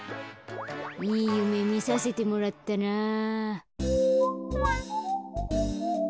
いいゆめみさせてもらったなあ。